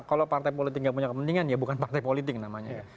kalau partai politik nggak punya kepentingan ya bukan partai politik namanya ya